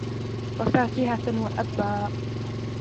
وَفَاكِهَةً وَأَبًّا